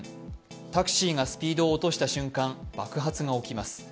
タクシーがスピードを落とした瞬間、爆発が起きます。